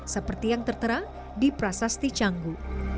seperti yang tertera di prasasti canggu